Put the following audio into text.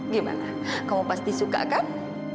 gimana kamu pasti suka kan